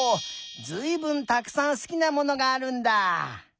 ずいぶんたくさんすきなものがあるんだ！